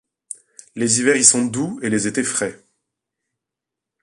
Les hivers y sont doux et les étés frais.